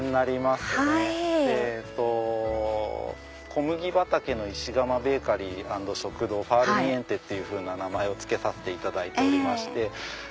小麦畑の石窯ベーカリー＆食堂ファールニエンテって名前を付けさせていただいておりまして。